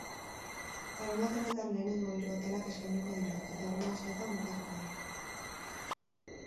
Larunbat honetan lehenengo hiru atalak eskainiko dira eta hurrengo asteetan bukatuko da.